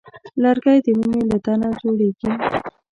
لرګی د ونې له تنه جوړېږي.